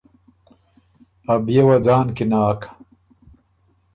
ا بيې وه ځان کی ناک۔